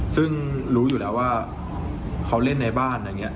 ซึ่งรู้อยู่แล้วว่าเขาเล่นในบ้านอะไรอย่างนี้